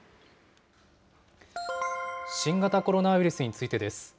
新型コロナウイルスについてです。